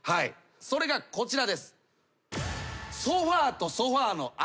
それがこちらです。